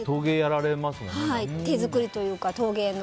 手作りというか陶芸の。